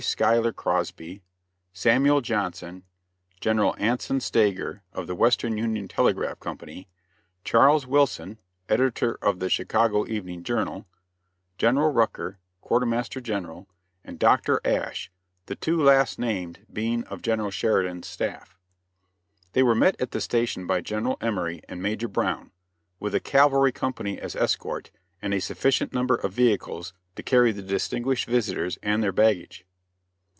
Scuyler Crosby, Samuel Johnson, General Anson Stager, of the Western Union Telegraph Company; Charles Wilson, editor of the Chicago Evening Journal; General Rucker, Quartermaster General, and Dr. Asch the two last named being of General Sheridan's staff. They were met at the station by General Emory and Major Brown, with a cavalry company as escort and a sufficient number of vehicles to carry the distinguished visitors and their baggage.